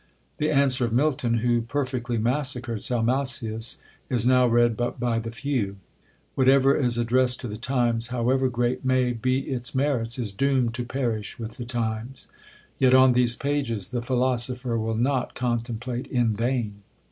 The answer of Milton, who perfectly massacred Salmasius, is now read but by the few. Whatever is addressed to the times, however great may be its merits, is doomed to perish with the times; yet on these pages the philosopher will not contemplate in vain.